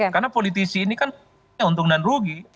karena politisi ini kan untung dan rugi